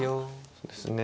そうですね。